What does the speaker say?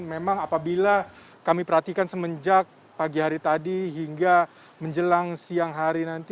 memang apabila kami perhatikan semenjak pagi hari tadi hingga menjelang siang hari nanti